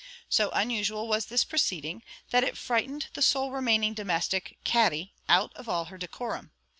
So unusual was this proceeding, that it frightened the sole remaining domestic, Katty, out of all her decorum.